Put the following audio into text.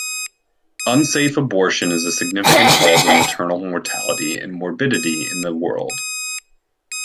Unsafe abortion is a significant cause of maternal mortality and morbidity in the world.